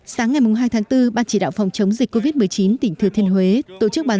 sáng ngày hai tháng bốn ban chỉ đạo phòng chống dịch covid một mươi chín tỉnh thừa thiên huế tổ chức bàn